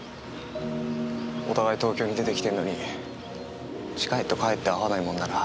お互い東京に出てきてるのに近いとかえって会わないもんだな。